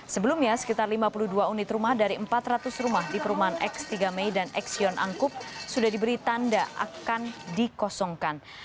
sebelumnya sekitar lima puluh dua unit rumah dari empat ratus rumah di perumahan x tiga mei dan xion angkup sudah diberi tanda akan dikosongkan